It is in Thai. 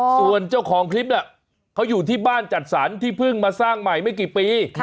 ส่วนเจ้าของคลิปน่ะเขาอยู่ที่บ้านจัดสรรที่เพิ่งมาสร้างใหม่ไม่กี่ปี